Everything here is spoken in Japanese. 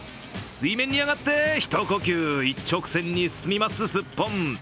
水面に上がって一呼吸、一直線に進みます、スッポン。